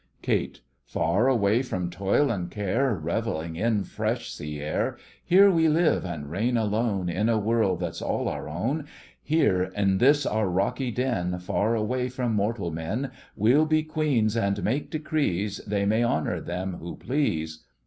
KATE: Far away from toil and care, Revelling in fresh sea air, Here we live and reign alone In a world that's all our own. Here, in this our rocky den, Far away from mortal men, We'll be queens, and make decrees— They may honour them who please.